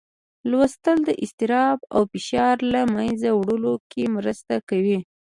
لوستل د اضطراب او فشار له منځه وړلو کې مرسته کوي